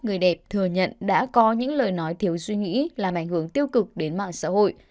người đẹp thừa nhận đã có những lời nói thiếu suy nghĩ làm ảnh hưởng tiêu cực đến mạng xã hội